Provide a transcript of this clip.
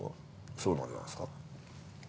そうなんじゃないですか？